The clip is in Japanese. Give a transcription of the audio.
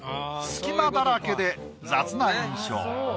隙間だらけで雑な印象。